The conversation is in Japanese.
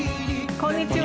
こんにちは。